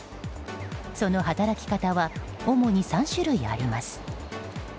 その働き方は主に３種類あります。